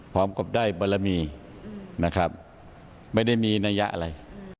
พร้อมกับได้บารมีนะครับไม่ได้มีนัยยะอะไร